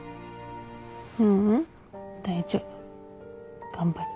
ううん大丈夫。